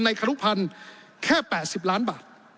ในขนุภัณฑ์แค่๘๐ล้านบาท